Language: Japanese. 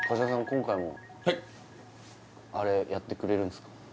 今回もアレやってくれるんすか？